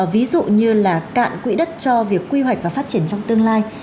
ví dụ như là cạn quỹ đất cho việc quy hoạch và phát triển trong tương lai